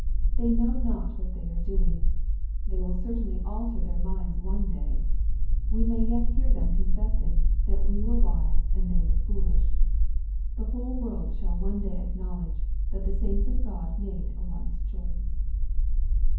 They know not what they are doing. They will certainly alter their minds one day. We may yet hear them confessing, that we were wise and they were foolish. The whole world shall one day acknowledge^ that the saints of God made a wise choice.